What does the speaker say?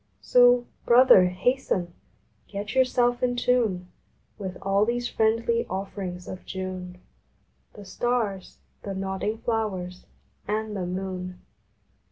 So, Brother, hasten! Get yourself in tune With all these friendly offerings of June The Stars, the nodding Flowers, and the Moon.